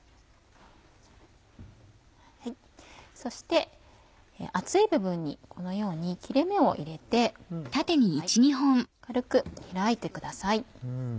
そして厚い部分にこのように切れ目を入れて軽く開いてください。